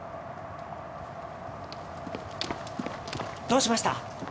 「」どうしました？